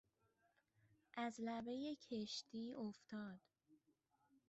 از لبهی کشتی افتاد.